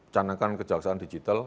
canangkan kejaksaan digital